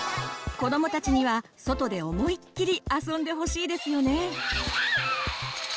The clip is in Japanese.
子どもたちには外で思いっきり遊んでほしいですよね。